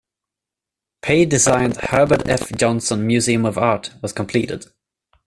Pei-designed Herbert F. Johnson Museum of Art was completed.